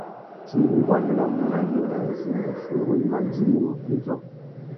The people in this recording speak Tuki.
Tsi i buandanamú na nyôrê azê wuchiuwú i mà djï mutu idjô.